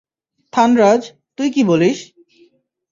থানরাজ, তুই কী বলিস?